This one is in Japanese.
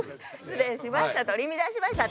失礼しました。